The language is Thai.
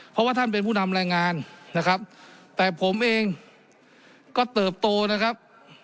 เพราะว่าท่านเป็นผู้นำแรงงานนะครับแต่ผมเองก็เติบโตนะครับ